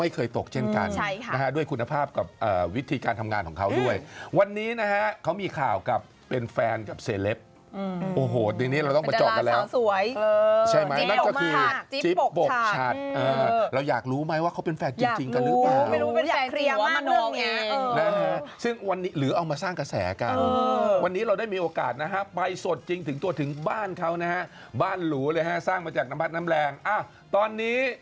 เขามีข่าวกับเป็นแฟนกับเซลฟโอ้โหทีนี้เราต้องประจอกกันแล้วใช่ไหมนั่นก็คือจิ๊บปกชัดเราอยากรู้ไหมว่าเขาเป็นแฟนจริงกันหรือเปล่าอยากเคลียร์มากนึงเนี่ยซึ่งวันนี้หรือเอามาสร้างกระแสกันวันนี้เราได้มีโอกาสนะฮะไปสดจริงถึงตัวถึงบ้านเขานะฮะบ้านหรูเลยฮะสร้างมาจากน้ำบาดน้ำแรงตอนน